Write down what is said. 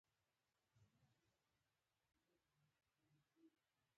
کوچني تولید کوونکي د کار له لاسه ورکولو ویریدل.